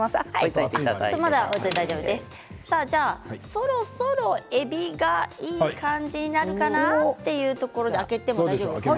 そろそろえびがいい感じになるかなというところで開けても大丈夫ですか？